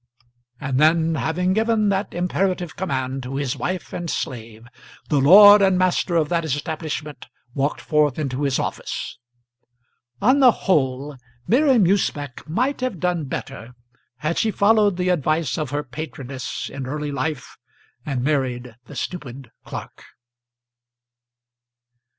and then, having given that imperative command to his wife and slave, the lord and master of that establishment walked forth into his office. On the whole Miriam Usbech might have done better had she followed the advice of her patroness in early life, and married the stupid clerk.